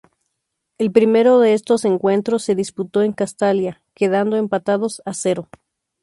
El primero de estos encuentros se disputó en Castalia, quedando empatados a cero.